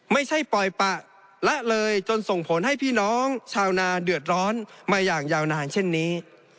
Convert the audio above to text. ไม่ใช่ปล่อยปะละเลยจนส่งผลให้พี่น้องชาวนาเดือดร้อนมาอย่างยาวนานเช่นนี้